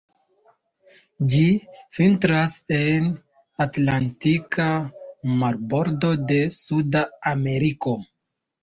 Ĝi vintras en atlantika marbordo de Suda Ameriko.